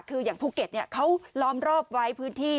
คืออย่างภูเก็ตเขาล้อมรอบไว้พื้นที่